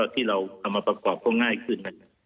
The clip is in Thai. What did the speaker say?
ที่เราเอามาประกอบก็ง่ายขึ้น